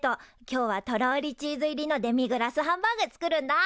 今日はとろりチーズ入りのデミグラスハンバーグ作るんだ！